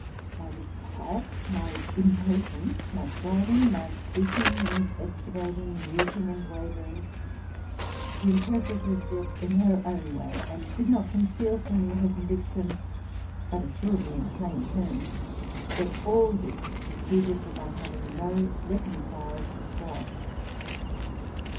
My disquiet, my impa tience, my striving, my seeking, investigating, musing, and wavering, she interpreted i in her own way, and did not con ceal from me her conviction, but assured me in plain terms that all this proceeded from my having no reconciled God.